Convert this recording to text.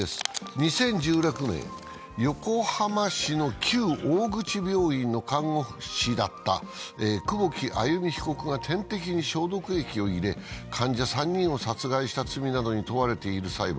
２０１６年、横浜市の級大口病院の看護師だった久保木愛弓被告が点滴に消毒液を入れ患者３人を殺害した罪などに問われている裁判。